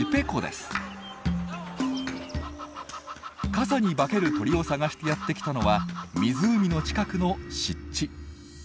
傘に化ける鳥を探してやって来たのは湖の近くの湿地。